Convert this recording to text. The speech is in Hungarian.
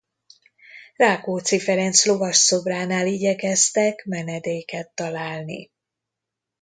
Rákóczi Ferenc lovas szobránál igyekeztek menedéket találni.